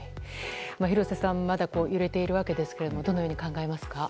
廣瀬さんまだ揺れているわけですがどのように考えますか？